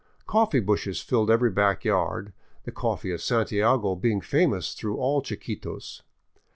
Coffee bushes fill every back yard, the coffee of Santiago being famous through all Chiquitos.